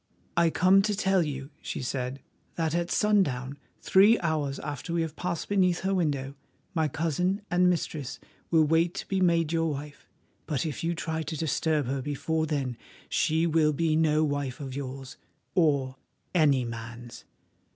"I come to tell you," she said, "that at sundown, three hours after we have passed beneath her window, my cousin and mistress will wait to be made your wife, but if you try to disturb her before then she will be no wife of yours, or any man's."